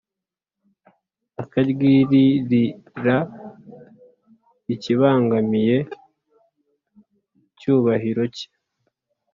akaryiririra ikibangamiye icyubahiro cye